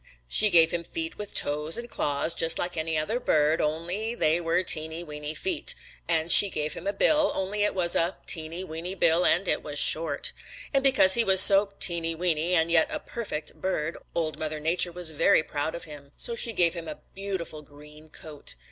She gave him feet with toes and claws just like any other bird, only they were teeny, weeny feet. And she gave him a bill, only it was a teeny, weeny bill and it was short. And because he was so teeny, weeny and yet a perfect bird, Old Mother Nature was very proud of him, so she gave him a beautiful green coat.